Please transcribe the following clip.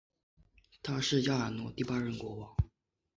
他是亚尔诺第八任国王。